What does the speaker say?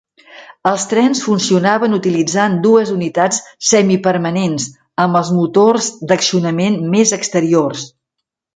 Els trens funcionaven utilitzant dues unitats semipermanents, amb els motors d'accionament més exteriors.